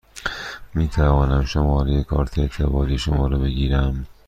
می توانم شماره کارت اعتباری شما را بگیرم؟